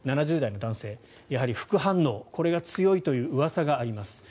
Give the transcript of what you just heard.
７０代の男性、やはり副反応これが強いといううわさがあります。